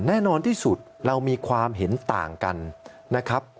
แน่นอนที่สุดเรามีความเห็นต่างกันนะครับ